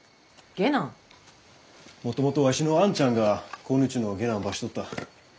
もともとわしの兄ちゃんがこん家の下男ばしとった。